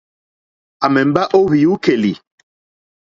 À mèmbá ó hwìúkèlì.